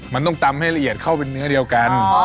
มันต้องตำให้ละเอียดเข้าเป็นเนื้อเดียวกัน